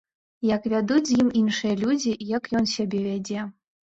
Як вядуць з ім іншыя людзі, як ён сябе вядзе.